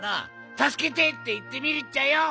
「たすけて！」っていってみるっちゃよ。